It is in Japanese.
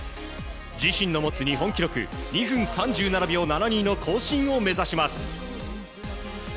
自身の持つ日本記録２分３７秒７２の更新を目指します。